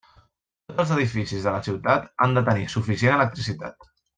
Tots els edificis de la ciutat han de tenir suficient electricitat.